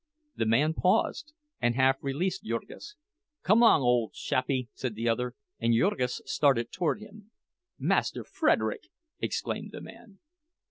The man paused and half released Jurgis. "Come 'long ole chappie," said the other, and Jurgis started toward him. "Master Frederick!" exclaimed the man.